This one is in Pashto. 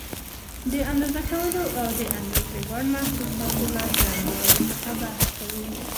د اندازه کولو او د اندازې وړ محسوساتو له څرنګوالي څخه بحث کوي.